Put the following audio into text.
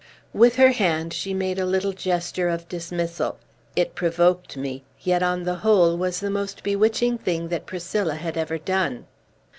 With her hand she made a little gesture of dismissal. It provoked me; yet, on the whole, was the most bewitching thing that Priscilla had ever done.